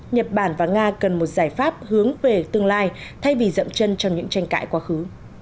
nhật bản và nga cần một giải pháp hướng về tương lai thay vì dậm chân trong những tranh cãi quá khứ